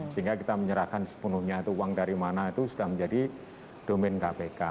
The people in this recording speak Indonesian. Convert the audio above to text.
sehingga kita menyerahkan sepenuhnya itu uang dari mana itu sudah menjadi domen kpk